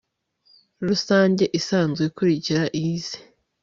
Rusange isanzwe ikurikira iyize